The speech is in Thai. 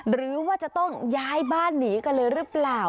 หรือว่าจะต้องย้ายบ้านหนีกันเลยหรือเปล่า